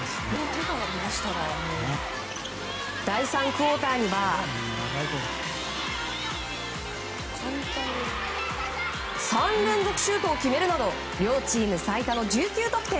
第３クオーターには３連続シュートを決めるなど両チーム最多の１９得点。